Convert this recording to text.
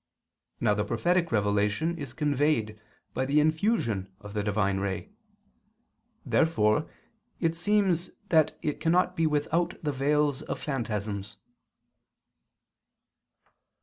Now the prophetic revelation is conveyed by the infusion of the divine ray. Therefore it seems that it cannot be without the veils of phantasms.